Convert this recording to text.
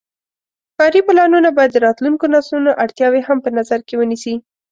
ښاري پلانونه باید د راتلونکو نسلونو اړتیاوې هم په نظر کې ونیسي.